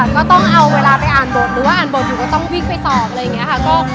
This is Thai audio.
ก็ต้องเอาเวลาไปอ่านบทหรือว่าอ่านบทอยู่ก็ต้องวิ่งไปตอบอะไรอย่างนี้ค่ะ